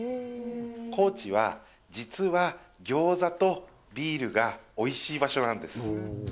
高知は実は、ギョーザとビールがおいしい場所なんです。